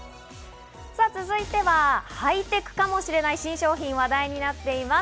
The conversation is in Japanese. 続いてはハイテクかもしれない新商品、話題になっています。